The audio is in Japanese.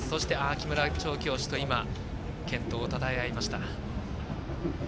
木村調教師と健闘をたたえ合いました。